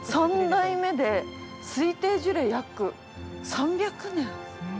◆３代目で、推定樹齢、約３００年。